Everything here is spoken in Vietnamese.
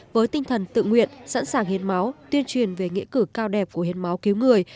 với tinh thần tự nguyện sẵn sàng hiến máu tuyên truyền về nghĩa cử cao đẹp của hiến máu cứu người